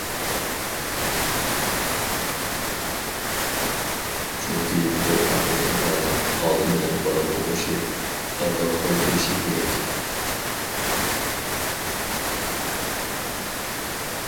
چۈنكى بىر ھەقىقىي ئايال ئالدى بىلەن بالا تۇغۇشى، ئەۋلاد قالدۇرۇشى كېرەك.